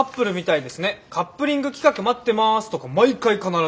「カップリング企画待ってます」とか毎回必ず。